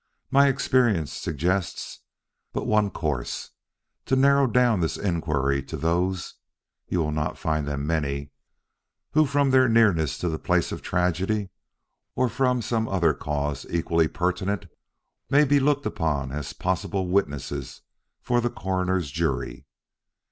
My experience suggests but one course: to narrow down this inquiry to those you will not find them many who from their nearness to the place of tragedy or from some other cause equally pertinent may be looked upon as possible witnesses for the Coroner's jury.